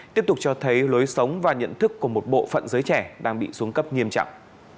tiếp tục cho thấy lối sống và nhận thức của một bộ phận giới trẻ đang bị xuống cấp nghiêm trọng